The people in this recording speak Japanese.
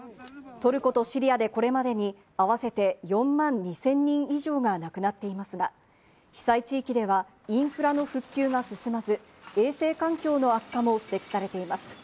トルコとシリアでこれまでに合わせて４万２０００人以上が亡くなっていますが、被災地域ではインフラの復旧が進まず、衛生環境の悪化も指摘されています。